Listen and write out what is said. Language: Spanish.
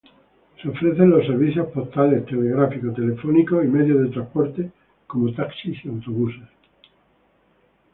Se ofrecen los servicios postal, telegráfico, telefónico,y medios de transporte como taxis y autobuses.